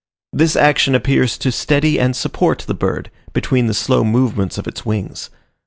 This action appears to steady and support the bird, between the slow movements of its wings.